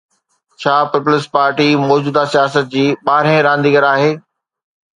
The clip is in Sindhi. ڇا پيپلز پارٽي موجوده سياست جي ٻارهين رانديگر آهي؟